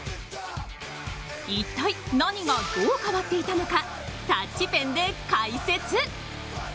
一体、何がどう変わっていたのかタッチペンで解説。